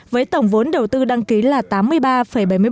với tổng vốn đầu tư đăng ký là tám mươi ba bảy mươi bảy triệu usd